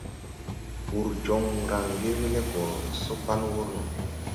Wur jon range we le go so pan wur no.